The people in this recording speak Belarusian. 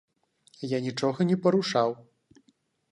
Я нічога не парушаў.